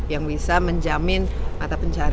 yang bisa menjamin mata pencarian